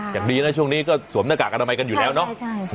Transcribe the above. อย่างดีนะช่วงนี้ก็หูมณกะกลันไมกันอยู่แล้วเนอะ